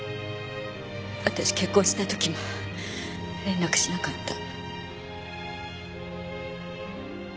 私結婚した時も連絡しなかった。